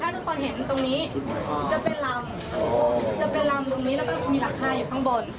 ทุกคนเห็นตรงนี้จะเป็นลำจะเป็นลำตรงนี้แล้วก็มีหลังคาอยู่ข้างบน